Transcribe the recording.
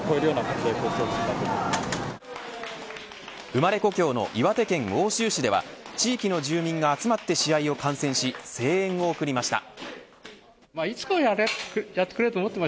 生まれ故郷の岩手県奥州市では地域の住民が集まって試合を観戦し声援を送りました。